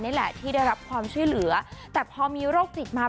นี่แหละที่ได้รับความช่วยเหลือแต่พอมีโรคจิตมา